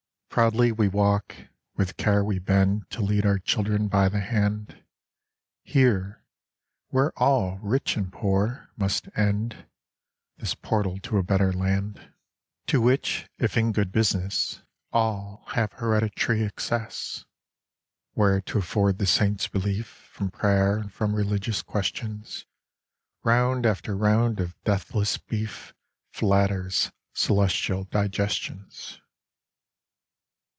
Proudly we walk ; with care we bend To lead our children by the hand, Here, where all, rich and poor, must end — This portal to a better land To which, if in good business, All have hereditary access, Where to afford the Saints relief From prayer and from religious questions, Round after round of deathless beef Flatters celestial digestions.